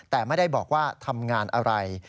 แต่ไม่ได้บอกว่าทำงานอะไร